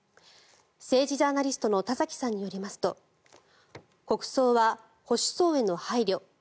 政治ジャーナリストの田崎さんによりますと国葬は保守層への配慮。